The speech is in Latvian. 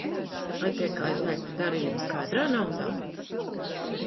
Vai tiek aizliegti darījumi skaidrā naudā?